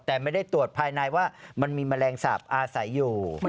แต่ไม่ได้ตรวจภายในว่ามันมีแมลงสาปอาศัยอยู่